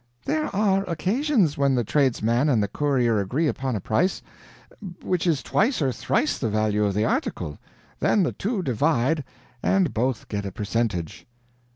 "There are occasions when the tradesman and the courier agree upon a price which is twice or thrice the value of the article, then the two divide, and both get a percentage."